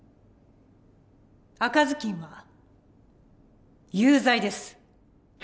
赤ずきんは有罪です。